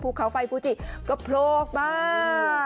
พูเขาไฟฟูจิกระโพลกมา